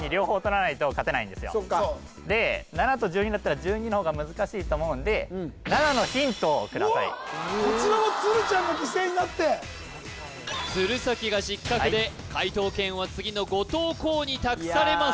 そっかで７と１２だったら１２の方が難しいと思うんで７のヒントをくださいうおっこちらも鶴ちゃんが犠牲になって鶴崎が失格で解答権は次の後藤弘に託されます